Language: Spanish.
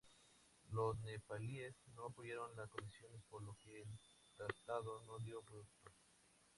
Los nepalíes no apoyaron las condiciones, por lo que el tratado no dio fruto.